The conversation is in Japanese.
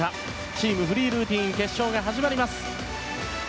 チームフリールーティン決勝が始まります。